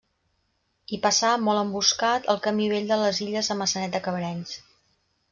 Hi passa, molt emboscat, el camí vell de les Illes a Maçanet de Cabrenys.